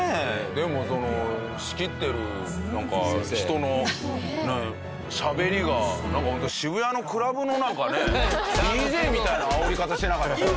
でもその仕切ってる人のしゃべりがなんかホント渋谷のクラブのなんかねＤＪみたいなあおり方してなかった？